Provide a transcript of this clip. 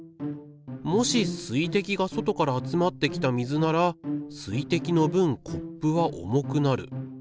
もし水滴が外から集まってきた水なら水滴の分コップは重くなる。